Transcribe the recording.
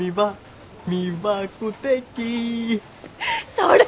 それ！